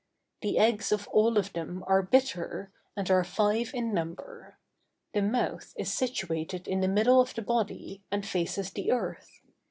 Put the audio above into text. The eggs of all of them are bitter, and are five in number; the mouth is situate in the middle of the body, and faces the earth.